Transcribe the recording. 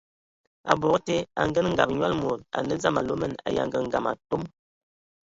Eyɔŋ tə, angəngab nyɔl mod a nə dzam alumɛn ai angəgəma atɔm.